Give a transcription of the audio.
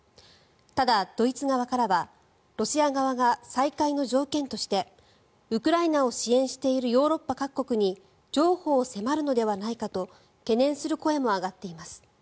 ただ、ドイツ側からはロシア側が再開の条件としてウクライナを支援しているヨーロッパ各国に譲歩を迫るのではないかと懸念する声も上がっています。